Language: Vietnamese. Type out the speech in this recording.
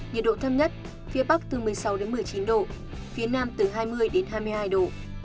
nhiệt độ thấp nhất phía bắc từ một mươi sáu đến một mươi chín độ phía nam từ hai mươi đến hai mươi hai độ